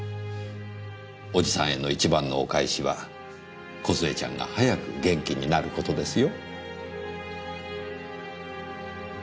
おじさんへの一番のお返しは梢ちゃんが早く元気になる事ですよ。